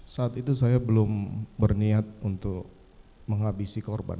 saat itu saya belum berniat untuk menghabisi korban